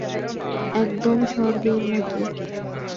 একদম স্বর্গের মতো।